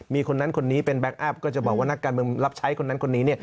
มีคนนั้นคนนี้เป็นแก๊คอัพก็จะบอกว่านักการเมืองรับใช้คนนั้นคนนี้